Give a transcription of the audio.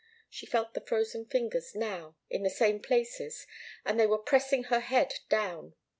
She felt the frozen fingers now, in the same places, and they were pressing her head down.